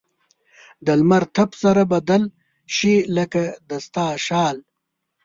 د لمر تپ سره بدل شي؛ لکه د ستا شال.